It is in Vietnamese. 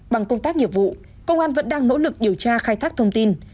bằng công tác nghiệp vụ công an vẫn đang nỗ lực điều tra khai thác thông tin